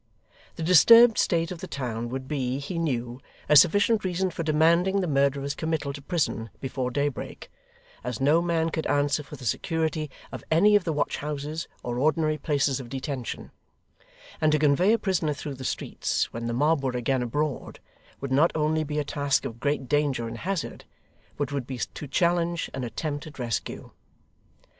The disturbed state of the town would be, he knew, a sufficient reason for demanding the murderer's committal to prison before daybreak, as no man could answer for the security of any of the watch houses or ordinary places of detention; and to convey a prisoner through the streets when the mob were again abroad, would not only be a task of great danger and hazard, but would be to challenge an attempt at rescue.